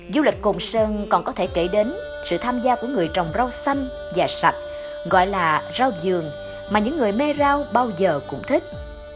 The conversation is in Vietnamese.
du lịch cồn sơn còn có thể kể đến sự tham gia của người trồng rau xanh và sạch gọi là rau giường mà những người mê rau bao giờ cũng thích